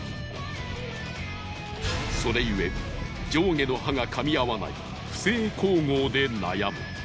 それゆえ上下の歯が噛み合わない不正咬合で悩む。